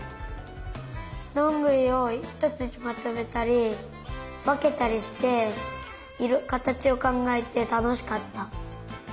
どんぐりをひとつにまとめたりわけたりしてかたちをかんがえてたのしかった。